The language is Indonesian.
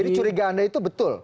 curiga anda itu betul